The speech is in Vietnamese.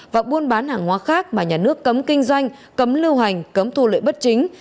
và buôn bán hàng hóa khác mà nhà nước cấm kinh doanh cấm lưu hành cấm thu lợi bất chính